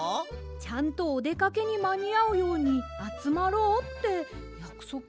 ちゃんとおでかけにまにあうようにあつまろうってやくそくしましたよ。